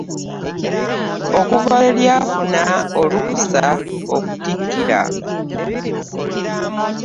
Okuva lwe lyafuna olukusa okutikkira